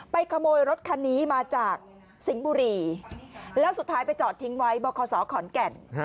ขโมยรถคันนี้มาจากสิงห์บุรีแล้วสุดท้ายไปจอดทิ้งไว้บคศขอนแก่น